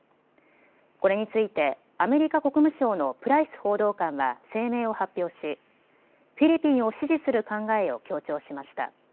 これについてアメリカ国務省のプライス報道官は声明を発表し、フィリピンを支持する考えを強調しました。